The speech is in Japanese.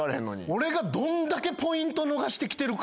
俺がどんだけポイント逃してきてるか。